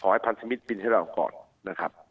เราก็ขอให้คุณพยายามมันถ่วงก่อน